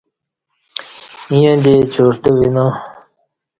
ییں دی چرتہ وینا